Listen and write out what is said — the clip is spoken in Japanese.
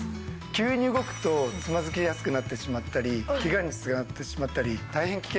急に動くとつまずきやすくなってしまったりケガに繋がってしまったり大変危険です。